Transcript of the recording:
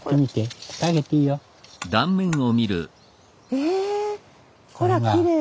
ええほらきれい。